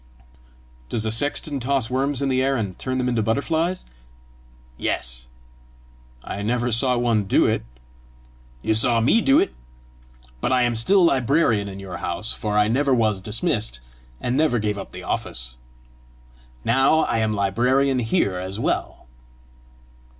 "Does a sexton toss worms in the air, and turn them into butterflies?" "Yes." "I never saw one do it!" "You saw me do it! But I am still librarian in your house, for I never was dismissed, and never gave up the office. Now I am librarian here as well."